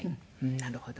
「なるほど。